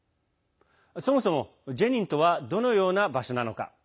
そもそも、ジェニンとはどのような場所なのか。